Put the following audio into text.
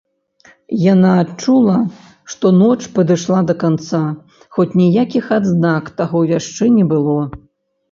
Яна адчула, што ноч падышла да канца, хоць ніякіх адзнак таго яшчэ не было.